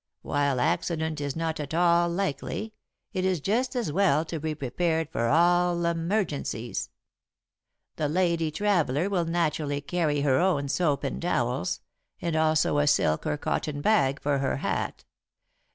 While accident is not at all likely, it is just as well to be prepared for all emergencies. "'The lady traveller will naturally carry her own soap and towels, and also a silk or cotton bag for her hat.